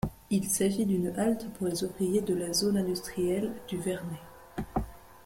Il s'agit d'une halte pour les ouvriers de la zone industrielle du Verney.